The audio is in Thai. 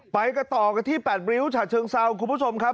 ไปกันต่อกันที่แปดบริ้วชาติเชิงซาของคุณผู้ชมครับ